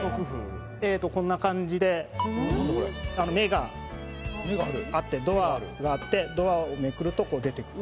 えっとこんな感じで目があってドアがあってドアをめくるとこう出てくる。